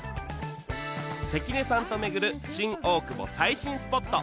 関根さんと巡る新大久保最新スポット